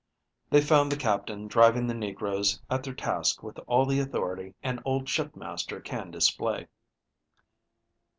They found the Captain driving the negroes at their task with all the authority an old shipmaster can display.